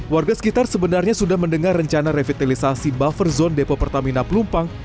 warga sekitar sebenarnya sudah mendengar rencana revitalisasi buffer zone depo pertamina pelumpang